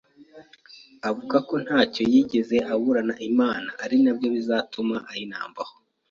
avuga ko ntacyoa yigeze aburana Imana ari nabyo bizatuma ayinambaho.